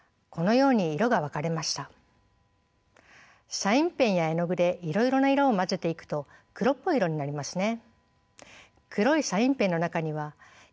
サインペンや絵の具でいろいろな色を混ぜていくと黒っぽい色になりますね。